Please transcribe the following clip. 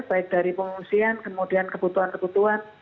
baik dari pengungsian kemudian kebutuhan kebutuhan